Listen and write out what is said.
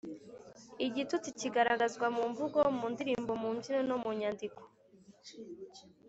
lgitutsi kigaragazwa mu mvugo, mu ndirimbo, mu mbyino, mu nyandiko,